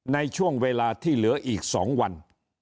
ในช่วงเวลาที่เหลืออีก๒วัน